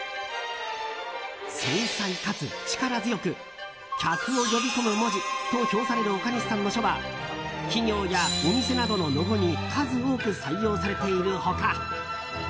繊細かつ力強く客を呼び込む文字と評される岡西さんの書は企業やお店などのロゴに数多く採用されている他